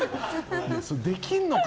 できるのか？